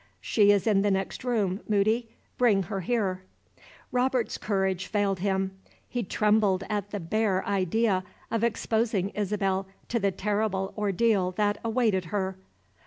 She is in the next room, Moody. Bring her here." Robert's courage failed him: he trembled at the bare idea of exposing Isabel to the terrible ordeal that awaited her.